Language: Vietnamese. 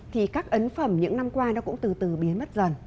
thì các ấn phẩm những năm qua nó cũng từ từ biến mất dần